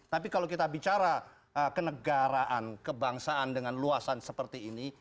tapi kalau kita bicara kenegaraan kebangsaan dengan luasan seperti ini